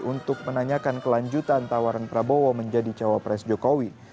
untuk menanyakan kelanjutan tawaran prabowo menjadi cawa pres jokowi